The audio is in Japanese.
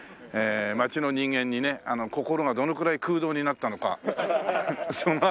街の人間にね心がどのくらい空洞になったのかその辺りをね。